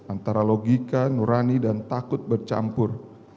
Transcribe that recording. antara logika nurani dan takut bercampur